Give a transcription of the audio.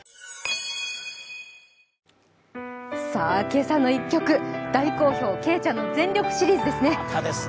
今朝の一曲、大好評のけいちゃんの全力シリーズですね。